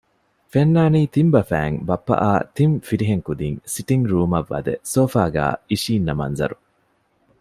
ފެންނާނީ ތިން ބަފައިން ބައްޕައާއި ތިން ފިރިހެން ކުދީން ސިޓިންގ ރޫމަށް ވަދެ ސޯފާގައި އިނށީންނަ މަންޒަރު